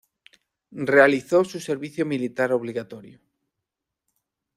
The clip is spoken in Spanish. Realizó su servicio militar obligatorio.